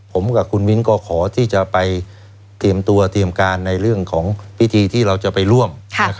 ผมกับคุณมิ้นก็ขอที่จะไปเตรียมตัวเตรียมการในเรื่องของพิธีที่เราจะไปร่วม